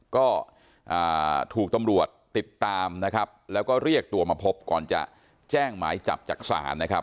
ก็ถูกตำรวจติดตามนะครับแล้วก็เรียกตัวมาพบก่อนจะแจ้งหมายจับจากศาลนะครับ